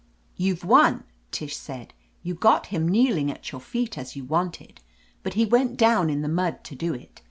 "You've won," Tish said. "YouVe got him kneeling at your feet, as you wanted. But he went down in the mud to do it.